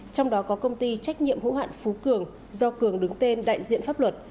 trong đó có công ty trách nhiệm hữu hạn phú cường do cường đứng tên đại diện pháp luật